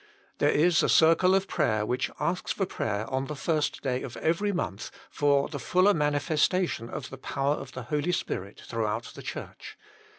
There is a circle of prayer which asKS for prayer on the first day of every month for the fuller manifestation of the power of the Holy Spirit throughout the Church.